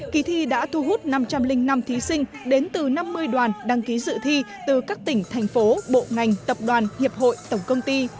kỳ thi đã thu hút năm trăm linh năm thí sinh đến từ năm mươi đoàn đăng ký dự thi từ các tỉnh thành phố bộ ngành tập đoàn hiệp hội tổng công ty